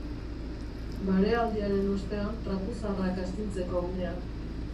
Barealdiaren ostean, trapu zaharrak astintzeko unea.